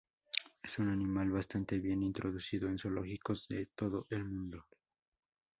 Es un animal bastante bien introducido en zoológicos de todo el mundo.